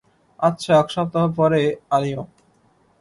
আচ্ছা এক সপ্তাহ পরে আনিয়ো।